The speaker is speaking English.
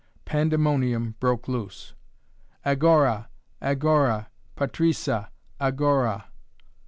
Pandemonium broke loose. "Agora! Agora! Patrisa! Agora!"